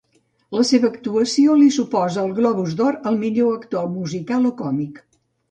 La seva actuació li suposa el Globus d'Or al millor actor musical o còmic.